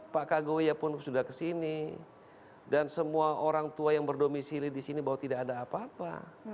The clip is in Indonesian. pak kago ya pun sudah kesini dan semua orang tua yang berdomisili di sini bahwa tidak ada apa apa